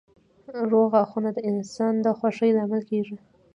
روغ غاښونه د انسان د خوښۍ لامل کېږي.